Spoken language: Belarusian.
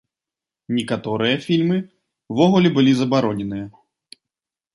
Некаторыя фільмы ўвогуле былі забароненыя.